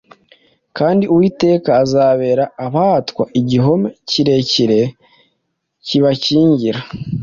Kandi Uwiteka azabera abahatwa igihome kirekire kibakingira